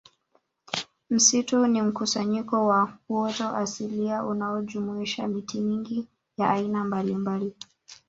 Msitu ni mkusanyiko wa uoto asilia unaojumuisha miti mingi ya aina mbalimbali